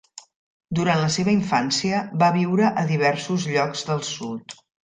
Durant la seva infància, va viure a diversos llocs del sud.